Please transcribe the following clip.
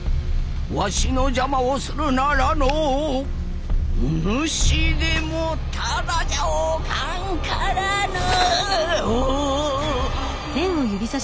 わしの邪魔をするならのおぬしでもただじゃおかんからの！